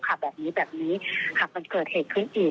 เจ้าหน้าที่บอกว่าทางวัดเนี่ยก็จริงไม่มีส่วนเกี่ยวข้องกับเหตุการณ์ดังกล่าวนะ